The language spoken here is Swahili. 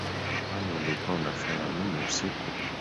Kwani ulikuwa unafanya nini usiku